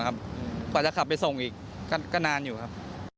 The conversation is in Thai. กว่าจะขับไปส่งอีกก็นานอยู่ครับ